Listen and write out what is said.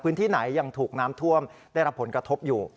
พื้นที่ไหนยังถูกน้ำท่วมได้รับผลกระทบอยู่